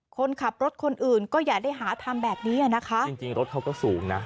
คนขับรถคนอื่นก็อย่าได้หาทำแบบนี้อ่ะนะคะจริงจริงรถเขาก็สูงนะ